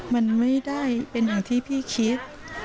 มันไม่ได้เป็นอย่างที่พี่คิด